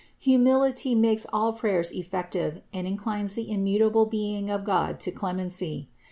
Humility makes all prayers effective and inclines the im mutable Being of God to clemency.